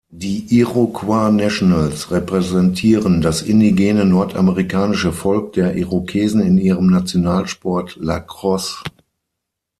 Die Iroquois Nationals repräsentieren das indigene nordamerikanische Volk der Irokesen in ihrem Nationalsport Lacrosse.